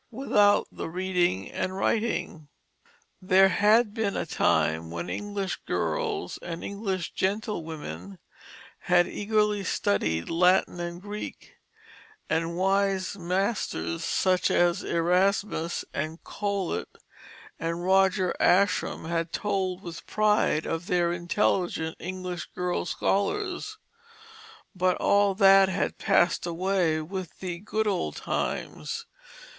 without the reading and writing. There had been a time when English girls and English gentlewomen had eagerly studied Latin and Greek; and wise masters, such as Erasmus and Colet and Roger Ascham had told with pride of their intelligent English girl scholars; but all that had passed away with the "good old times."